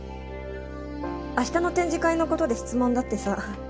明日の展示会のことで質問だってさ。